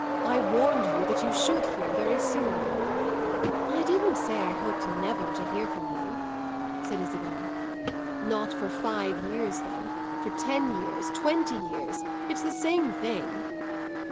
I warned you that you should hear very soon." "I didn't say I hoped never to hear from you," said Isabel. "Not for five years then; for ten years; twenty years. It's the same thing."